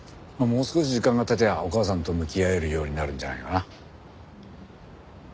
もう少し時間が経てばお母さんと向き合えるようになるんじゃないかな。